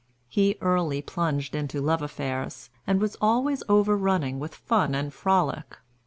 He early plunged into love affairs, and was always overrunning with fun and frolic.